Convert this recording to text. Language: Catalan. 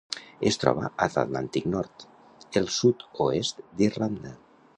Es troba a l'Atlàntic nord: el sud-oest d'Irlanda.